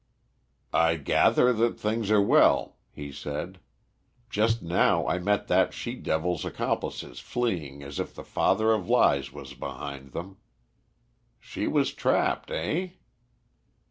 "I gather that things are well," he said. "Just now I met that she devil's accomplices fleeing as if the Father of Lies was behind them. She was trapped, eh?"